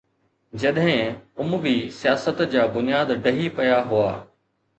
جڏهن اموي سياست جا بنياد ڊهي پيا هئا